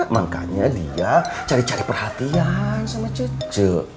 makanya dia cari cari perhatian sama cucu